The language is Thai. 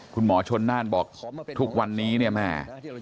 คุณหมอชนน่านบอกทุกวันนี้เนี่ยแม่